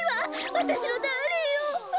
わたしのダーリンを。